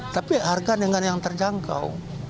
tapi harga dengan yang terjangkau